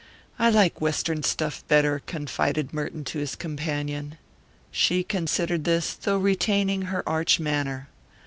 "I like Western stuff better," confided Merton to his companion. She considered this, though retaining her arch manner.